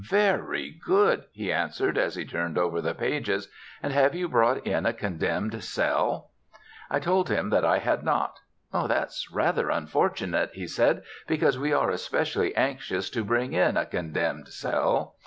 "Very good," he answered as he turned over the pages, "and have you brought in a condemned cell?" I told him that I had not. "That's rather unfortunate," he said, "because we are especially anxious to bring in a condemned cell.